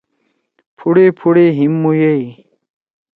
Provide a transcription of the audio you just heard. پُھوڑے پُھوڑے ہِم مُوئی۔